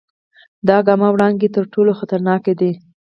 د ګاما وړانګې تر ټولو خطرناکې دي.